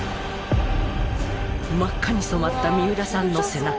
真っ赤に染まった三浦さんの背中。